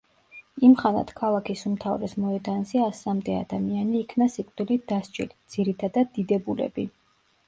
იმხანად ქალაქის უმთავრეს მოედანზე ასამდე ადამიანი იქნა სიკვდილით დასჯილი, ძირითადად, დიდებულები.